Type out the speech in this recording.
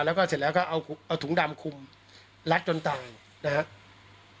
แล้วก็เสร็จแล้วก็เอาถุงดำคุมรัดจนตายนะครับ